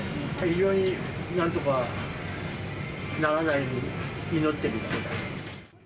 非常になんとかならないよう祈ってるだけです。